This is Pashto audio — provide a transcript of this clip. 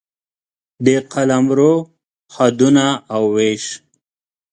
د قلمرو حدونه او وېش